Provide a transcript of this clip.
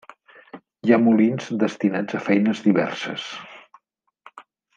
Hi ha molins destinats a feines diverses.